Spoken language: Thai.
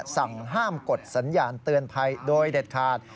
สั่งห้ามกดสัญญาณเตือนภัยโดยเด็ดขาด